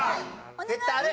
絶対ある！